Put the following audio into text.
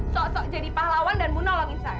sok sok jadi pahlawan dan menolongin saya